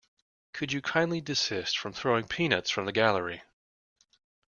Could you kindly desist from throwing peanuts from the gallery?